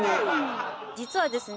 実はですね